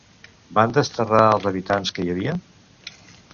Van desterrar els habitants qui hi havia?